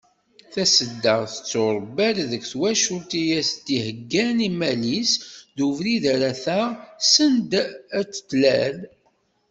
Tasedda tetturebba-d deg twacult i as-d-iheggan immal-is d ubrid ara taɣ send ad d-tlal.